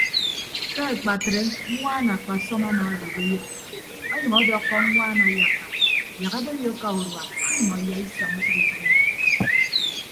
Ke akpatre ñwaan akpasọm amaadop eyịd ọnyʌñ ọdọkkọ ñwaan ayakka yak aboiyo aka urua ke imọ iyaisaña usʌk usʌk inyọñ.